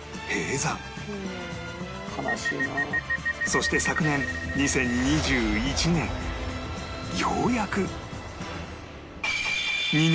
そして昨年２０２１年ようやく